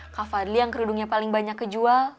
kak fadli yang kerudungnya paling banyak kejual